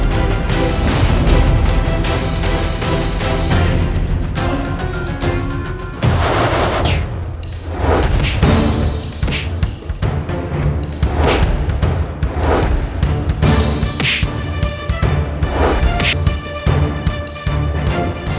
mencantikkan pemanahnya pada saat ini